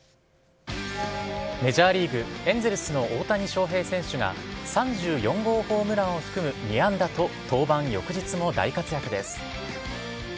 メジャーリーグ・エンゼルスの大谷翔平選手が、３４号ホームランを含む２安打と登板翌日も大活躍です。